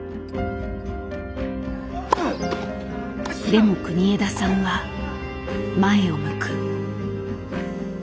でも国枝さんは前を向く。